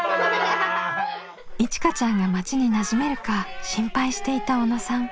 いちかちゃんが町になじめるか心配していた小野さん。